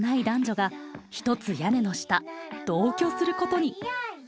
男女がひとつ屋根の下同居することに。